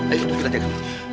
ayo duduk kita jaga